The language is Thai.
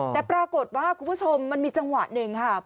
แต่ปรากฏว่าคุณผู้ชมมันมีจังหวะหนึ่งค่ะ